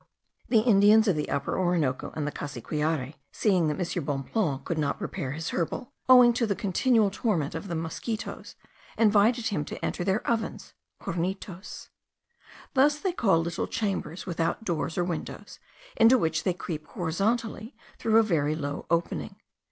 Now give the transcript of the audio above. The Indians of the Upper Orinoco and the Cassiquiare, seeing that M. Bonpland could not prepare his herbal, owing to the continual torment of the mosquitos, invited him to enter their ovens (hornitos). Thus they call little chambers, without doors or windows, into which they creep horizontally through a very low opening.